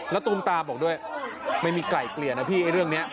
แล้วตูมตาบอกด้วยไม่มีไกล่เกลี่ยนะพี่ไอ้เรื่องนี้